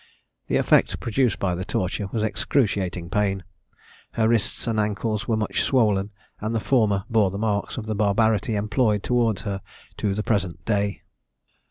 The effect produced by the torture was excruciating pain; her wrists and ankles were much swollen, and the former bore the marks of the barbarity employed towards her to the present day.